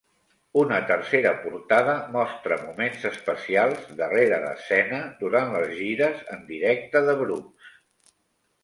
Una tercera portada mostra moments especials "darrere d'escena" durant les gires en directe de Brooks.